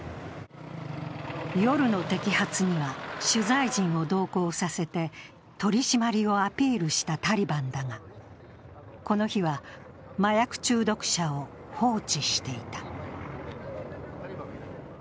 夜の摘発には取材陣を同行させて取り締まりをアピールしたタリバンだが、この日は麻薬中毒者を放置していた。